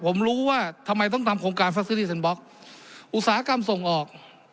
ผมรู้ว่าทำไมต้องทำโครงการอุตสาหกรรมส่งออก